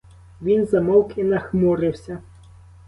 Він замовк і нахмурився.